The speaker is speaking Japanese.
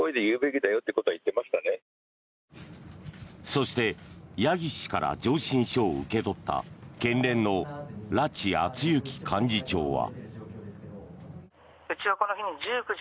そして、矢岸氏から上申書を受け取った県連の良知淳行幹事長は。